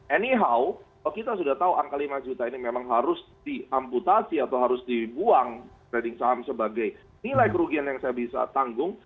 any how kalau kita sudah tahu angka lima juta ini memang harus diamputasi atau harus dibuang trading saham sebagai nilai kerugian yang saya bisa tanggung